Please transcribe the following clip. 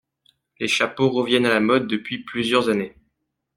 Les chapeaux reviennent à la mode depuis plusieurs années.